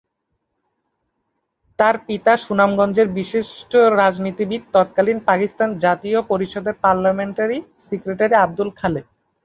তার পিতা সুনামগঞ্জের বিশিষ্ট রাজনীতিবিদ তৎকালীন পাকিস্তান জাতীয় পরিষদের পার্লামেন্টারি সেক্রেটারি আবদুল খালেক।